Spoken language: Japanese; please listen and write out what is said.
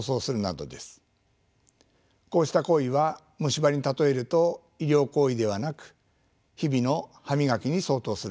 こうした行為は虫歯に例えると医療行為ではなく日々の歯磨きに相当するものです。